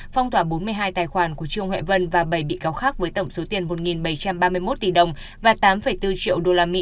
phong tỏa bốn mươi hai tài khoản của trương huệ vân và bảy bị cáo khác với tổng số tiền một bảy trăm ba mươi một tỷ đồng và tám bốn triệu usd